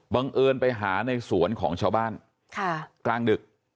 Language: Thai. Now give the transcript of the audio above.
เอิญไปหาในสวนของชาวบ้านกลางดึก